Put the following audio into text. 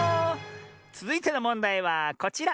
つづいてのもんだいはこちら！